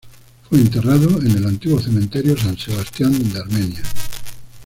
Fue enterrado en el antiguo Cementerio San Sebastián de Armenia.